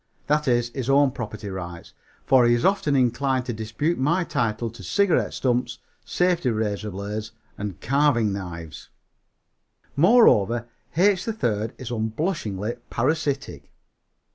That is, his own property rights, for he is often inclined to dispute my title to cigarette stumps, safety razor blades and carving knives. Moreover, H. 3rd is unblushingly parasitic.